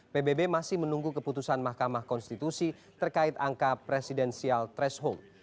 pbb masih menunggu keputusan mahkamah konstitusi terkait angka presidensial threshold